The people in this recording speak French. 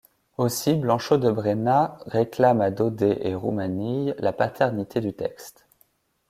Aussi Blanchot de Brenas réclame à Daudet et Roumanille la paternité du texte.